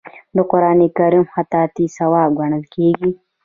د قران کریم خطاطي ثواب ګڼل کیږي.